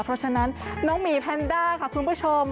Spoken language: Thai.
เพราะฉะนั้นน้องหมีแพนด้าค่ะคุณผู้ชม